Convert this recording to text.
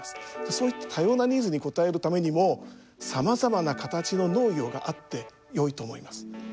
そういった多様なニーズに応えるためにもさまざまな形の農業があってよいと思います。